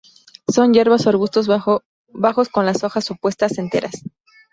Son hierbas o arbustos bajos con las hojas opuestas, enteras.